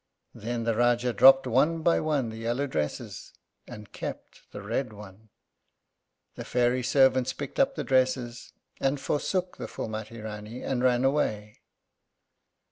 Then the Rájá dropped one by one the yellow dresses and kept the red one. The fairy servants picked up the dresses, and forsook the Phúlmati Rání and ran away.